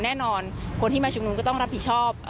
แน่นอนคนที่มาชุมนุมก็ต้องรับผิดชอบ